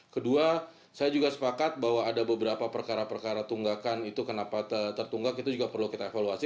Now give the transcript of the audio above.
kedua saya juga sepakat bahwa ada beberapa perkara perkara tunggakan itu kenapa tertunggak itu juga perlu kita evaluasi